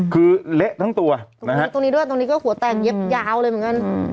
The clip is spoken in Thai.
คือเละทั้งตัวนะฮะตรงนี้ด้วยตรงนี้ก็หัวแตกเย็บยาวเลยเหมือนกัน